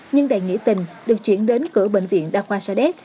nhưng đầy nghĩ tình được chuyển đến cửa bệnh viện đa khoa sa đéc